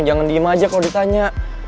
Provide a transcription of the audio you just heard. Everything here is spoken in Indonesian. jangan diem aja kalau ditanya